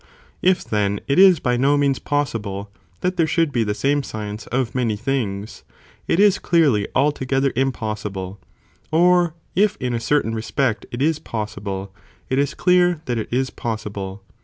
If then it is by no means possible that there should be the same science of many things, it is clearly altogether impossible, or if in a certain respect it 1s possible, it is clear that it is possible.